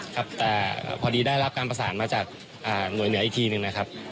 ครับแต่พอดีได้รับการประสานมาจากหน่วยเหนืออีกทีหนึ่งนะครับ